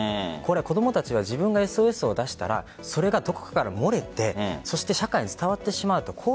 子供たちは自分がＳＯＳを出したらそれがどこかから漏れて社会に伝わってしまうと。